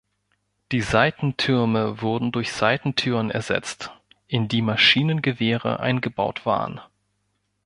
Die Seitentürme wurden durch Seitentüren ersetzt, in die Maschinengewehre eingebaut waren.